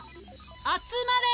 集まれ！